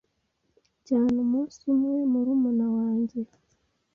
cyane umunsi umwe murumuna wanjye